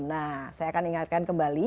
nah saya akan ingatkan kembali